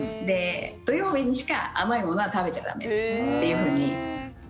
土曜日にしか甘いものは食べちゃ駄目というふうに。